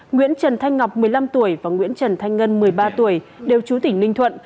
nguyễn trần thanh ngọc một mươi năm tuổi và nguyễn trần thanh ngân một mươi ba tuổi đều chú tỉnh ninh thuận